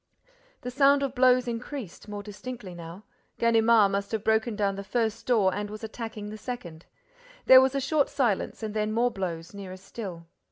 The sound of blows increased, more distinctly now. Ganimard must have broken down the first door and was attacking the second. There was a short silence and then more blows, nearer still.